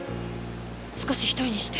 少し１人にして。